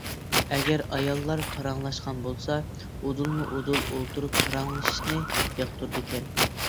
ئەگەر ئاياللار پاراڭلاشقان بولسا، ئۇدۇلمۇئۇدۇل ئولتۇرۇپ پاراڭلىشىشنى ياقتۇرىدىكەن.